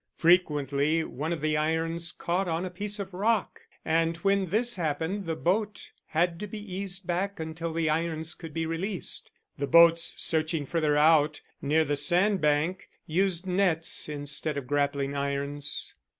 Frequently one of the irons caught on a piece of rock, and when this happened the boat had to be eased back until the irons could be released. The boats searching further out, near the sand bank, used nets instead of grappling irons.